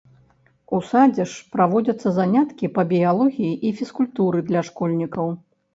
У садзе ж праводзяць заняткі па біялогіі і фізкультуры для школьнікаў.